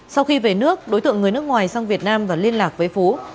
sau khi về nước đối tượng người nước ngoài sang việt nam và liên lạc với phú